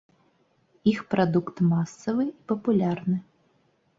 Іх прадукт масавы і папулярны.